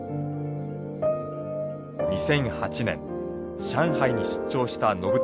２００８年上海に出張した延谷さん。